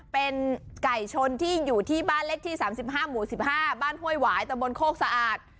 เป็นไก่ชนที่อยู่ที่บ้านเลขที่๓๕หมู่๑๕บ้านห้วยหวายตะบนโคกสะอาด